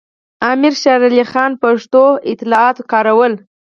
امیر شیر علي خان پښتو اصطلاحات کارول.